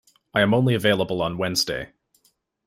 I am only available on Wednesday.